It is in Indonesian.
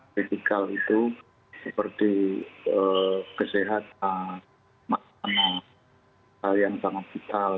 kritikal itu seperti kesehatan makanan hal yang sangat vital